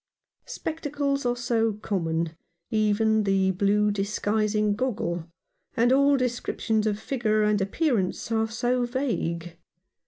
Spectacles are so common — even the blue disguising goggle — and all descriptions of figure and appearance are so vague.